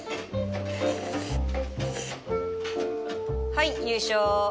はい優勝